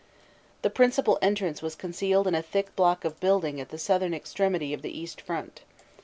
The principal entrance was concealed in a thick block of building at the southern extremity of the east front.